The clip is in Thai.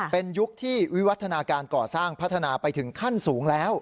เป็นยุคที่วิวัฒนาการก่อสร้างพัฒนาไปถึงขั้นสูงแล้ว